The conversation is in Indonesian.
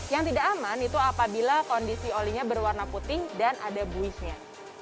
yang tidak aman itu apabila kondisi olinya berwarna putih dan ada buihnya